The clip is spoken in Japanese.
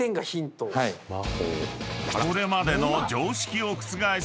［これまでの常識を覆す